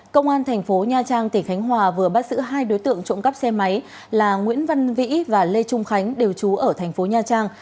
công an tp nha trang tp khánh hòa vừa bắt giữ hai đối tượng trộm cắp xe máy là nguyễn văn vĩ và lê trung khánh đều trú ở tp nha trang